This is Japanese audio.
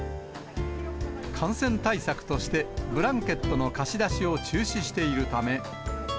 感染対策として、ブランケットの貸し出しを中止しているため。